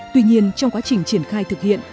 tuy nhiên trong quá trình triển khai thực hiện